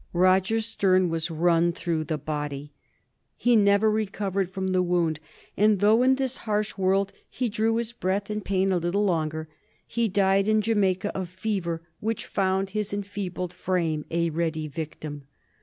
Roger Sterne was run through the body. He never recovered from the wound, and though in this harsh world he drew his breath 1718 1768. "TRISTRAM SHANDY," 301 in pain a little longer, he died In Jamaica of fever, which found his enfeebled frame a ready victim.